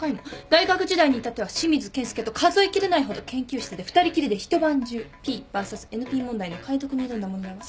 大学時代に至っては清水慶介と数えきれないほど研究室で２人きりで一晩中ＰＶＳＮＰ問題の解読に挑んだものだわ。